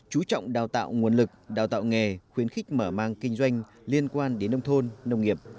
chú trọng đào tạo nguồn lực đào tạo nghề khuyến khích mở mang kinh doanh liên quan đến nông thôn nông nghiệp